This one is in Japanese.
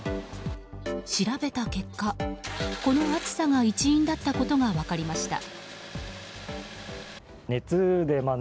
調べた結果、この暑さが一因だったことが分かりました。